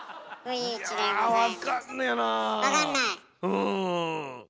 うん。